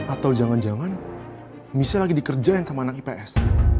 atau jangan jangan misalnya lagi dikerjain sama anak ips